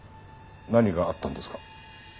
何があったんですか？